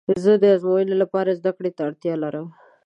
زه د ازموینې لپاره زده کړې ته څه اړتیا لرم؟